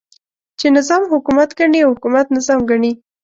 چې نظام حکومت ګڼي او حکومت نظام ګڼي.